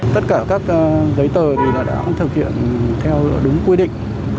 tất cả các giấy tờ thì là đáng thực hiện theo đúng quy định